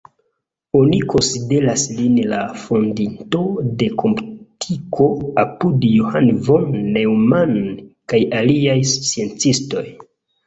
Oni konsideras lin la fondinto de komputiko apud John von Neumann kaj aliaj sciencistoj.